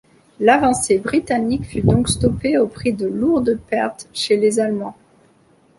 L'avancée britannique fut donc stoppée au prix de lourdes pertes chez les Allemands.